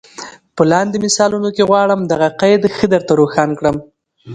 په لاندي مثالونو کي غواړم دغه قید ښه در ته روښان کړم.